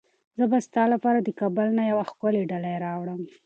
زه به ستا لپاره د کابل نه یوه ښکلې ډالۍ راوړم.